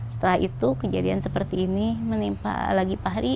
setelah itu kejadian seperti ini menimpa lagi fahri